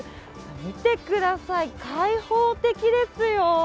見てください、開放的ですよ。